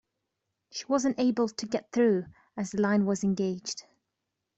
She wasn’t able to get through, as the line was engaged